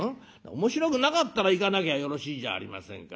「面白くなかったら行かなきゃよろしいじゃありませんか」。